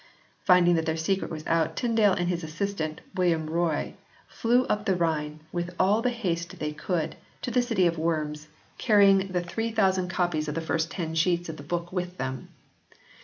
Finding that their secret was out Tyndale and his assistant, William Roye, fled up the Rhine, with all the haste they could, to the city of Worms, carrying the 3000 copies of the first ten sheets of the book with them.